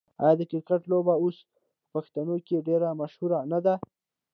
آیا د کرکټ لوبه اوس په پښتنو کې ډیره مشهوره نه ده؟